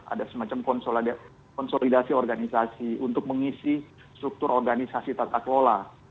ada semacam konsolidasi organisasi untuk mengisi struktur organisasi tata kelola